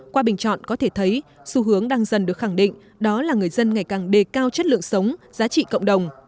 qua bình chọn có thể thấy xu hướng đang dần được khẳng định đó là người dân ngày càng đề cao chất lượng sống giá trị cộng đồng